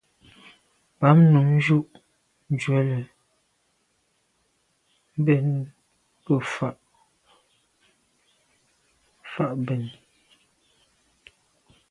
Bam num njù njwèle mbèn nke nfà’ fà’ ben.